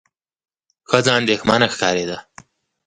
ښځه اندېښمنه ښکارېده.